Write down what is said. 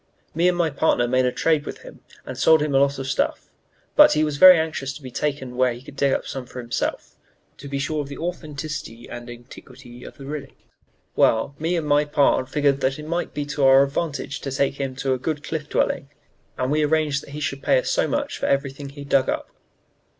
Me and my partner made a trade with him and sold him a lot of stuff; but he was very anxious to be taken where he could dig some up for himself, 'to be sure of the authenticity and antiquity of the relics.' Well, me and my pard figured up that it might be to our advantage to take him to a good Cliff Dwelling, and we arranged that he should pay us so much for everything he dug up.